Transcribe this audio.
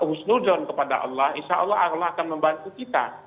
husnudon kepada allah insya allah allah akan membantu kita